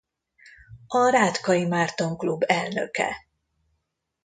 A Rátkai Márton Klub elnöke.